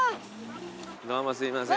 どうもすいません。